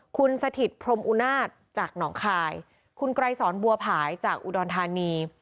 คุณสถิตพรมอุนาศจากหนองคายคุณไกรสอนบัวผายจากอุดรธานี